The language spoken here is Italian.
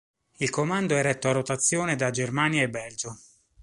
Il comando è retto a rotazione da Germania e Belgio.